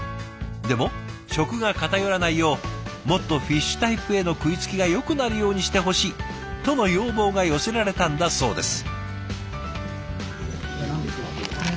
でも食が偏らないよう「もっとフィッシュタイプへの食いつきがよくなるようにしてほしい」との要望が寄せられたんだそうです。